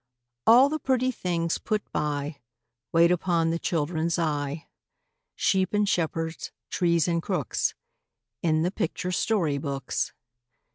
All the pretty things put by, Wait upon the children's eye, Sheep and shepherds, trees and crooks, In the picture story books.